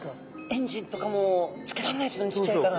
エンジンとかもつけられないですもんねちっちゃいから。